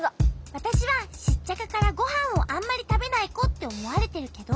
わたしはシッチャカからごはんをあんまりたべないこっておもわれてるけど。